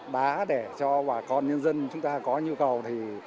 đá để cho bà con nhân dân chúng ta có nhu cầu